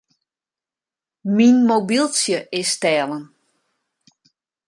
Myn mobyltsje is stellen.